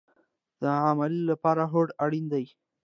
د عمل لپاره هوډ اړین دی